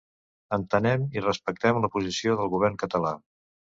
Entenem i respectem la posició del govern català.